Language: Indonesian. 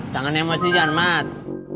jangan emosian mat